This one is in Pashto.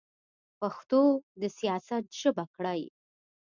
پښتو د سیاست ژبه کړئ.